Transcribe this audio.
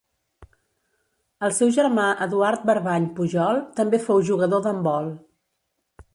El seu germà Eduard Barbany Pujol també fou jugador d'handbol.